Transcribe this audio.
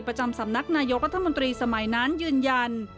ประจำสำนักนายกรัฐมนตรีสมัยนั้นยืนยัน